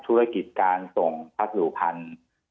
ธุรกิจการส่งพัสดุพันธุ์